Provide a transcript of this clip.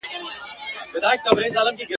لاري کوڅې به دي له سترګو د اغیاره څارې!.